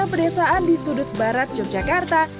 dan kepedesaan di sudut barat yogyakarta